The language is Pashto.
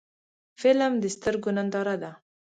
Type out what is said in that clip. فلم د سترګو ننداره ده